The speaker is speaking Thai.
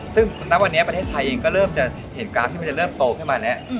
ซึ่งณวันนี้ประเทศไทยเองก็เริ่มจะเห็นกราฟที่มันจะเริ่มโตขึ้นมาแล้ว